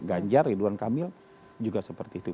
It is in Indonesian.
ganjar ridwan kamil juga seperti itu